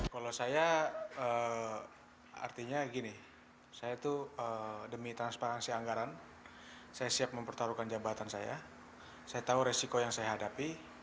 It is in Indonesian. kalau saya artinya gini saya tuh demi transparansi anggaran saya siap mempertaruhkan jabatan saya saya tahu resiko yang saya hadapi